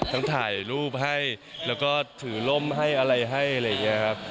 ทั้งถ่ายรูปให้แล้วก็ถือร่มให้อะไรให้อะไรอย่างนี้ครับ